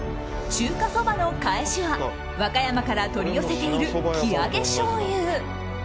中華そばの返しは和歌山から取り寄せている生揚げしょうゆ。